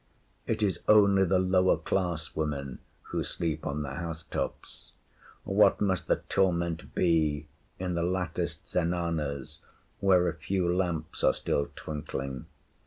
It is only the lower class women who sleep on the house tops. What must the torment be in the latticed zenanas, where a few lamps are still twinkling?